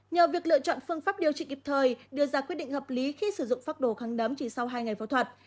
nhờ việc lựa chọn phương pháp điều trị kịp thời đưa ra quyết định hợp lý khi sử dụng phác đồ kháng đấm chỉ sau hai ngày phẫu thuật